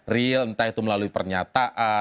real entah itu melalui pernyataan